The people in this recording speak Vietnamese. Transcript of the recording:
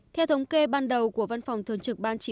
theo thống kê ban đầu của văn phòng thường trực ban chỉ